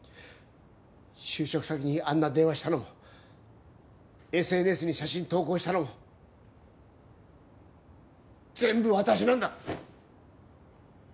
就職先にあんな電話したのもＳＮＳに写真投稿したのも全部私なんだ！